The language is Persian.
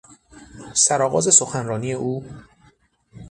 سرآغاز سخنرانی او